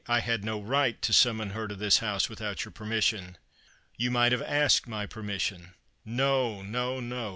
" I had no right to summon her to this house without your permission." " You might have asked my permission." " No, no, no